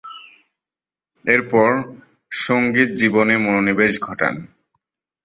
এরপর, সঙ্গীত জীবনে মনোনিবেশ ঘটান।